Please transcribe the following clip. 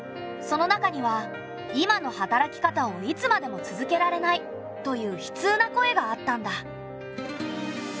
その中には「今の働き方をいつまでも続けられない」という悲痛な声があったんだ。